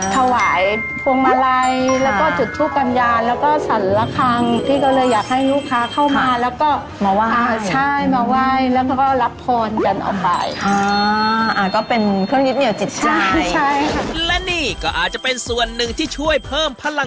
ถวายขนมหวาน